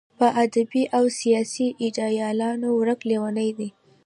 په ادبي او سیاسي ایډیالونو ورک لېونی دی.